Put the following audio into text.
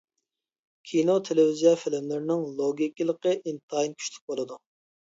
كىنو-تېلېۋىزىيە فىلىملىرىنىڭ لوگىكىلىقى ئىنتايىن كۈچلۈك بولىدۇ.